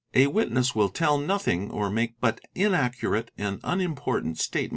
A witness will tell nothing or make but inaccurate and unimportant state